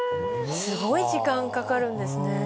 すごい時間かかるんですね。